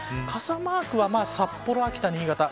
傘マークは札幌、秋田、新潟